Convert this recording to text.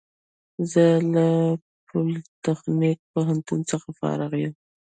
زه له پولیتخنیک پوهنتون څخه فارغ یم